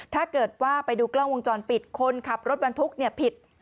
ถ้าเกิดว่าไปดูกล้องวงจรปิดคนขับรถบรรทุกผิด